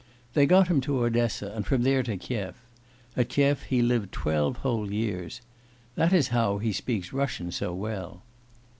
They got him to Odessa, and from there to Kiev. At Kiev he lived twelve whole years. That's how it is he speaks Russian so well.